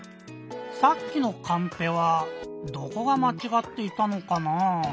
さっきのカンペはどこがまちがっていたのかな？